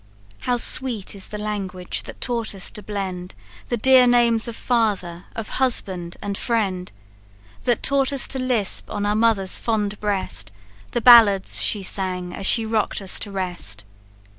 "How sweet is the language that taught us to blend The dear names of father, of husband, and friend; That taught us to lisp on our mother's fond breast, The ballads she sang as she rock'd us to rest!